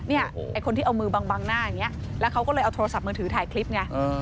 ไอ้คนที่เอามือบังหน้าอย่างนี้แล้วเขาก็เลยเอาโทรศัพท์มือถือถ่ายคลิปไง